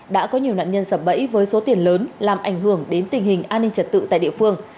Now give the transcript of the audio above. đã có nhiều nạn nhân sập bẫy với số tiền lớn làm ảnh hưởng đến tình hình an ninh trật tự tại địa phương